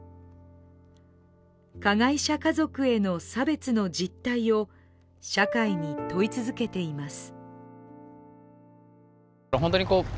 加害者家族への差別の実態を社会に問い続けています。